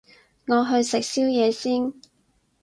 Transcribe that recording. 我去食宵夜先